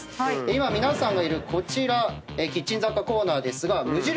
今皆さんがいるこちらキッチン雑貨コーナーですが無印